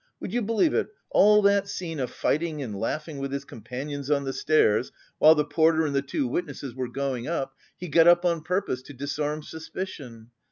Would you believe it, all that scene of fighting and laughing with his companions on the stairs while the porter and the two witnesses were going up, he got up on purpose to disarm suspicion.